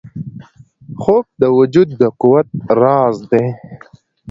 خوب د وجود د قوت راز دی